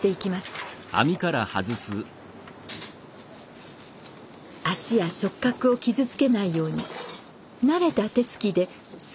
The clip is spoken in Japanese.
足や触角を傷つけないように慣れた手つきで素早く丁寧に。